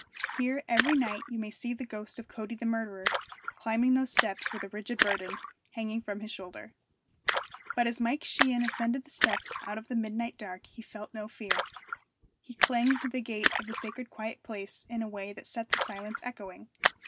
Here every night you may see the ghost of Cody the murderer, climbing those steps with a rigid burden hanging from his shoulder. But as Mike Sheehan ascended the steps out of the midnight dark he felt no fear. He clanged the gate of the sacred quiet place in a way that set the silence echoing.